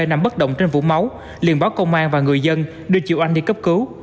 nằm bất động trên vũ máu liền báo công an và người dân đưa chị oanh đi cấp cứu